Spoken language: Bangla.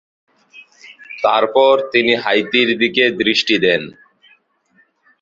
তারপর তিনি হাইতির দিকে দৃষ্টি দেন।